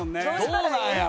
どうなんやろ？